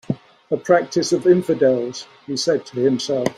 "A practice of infidels," he said to himself.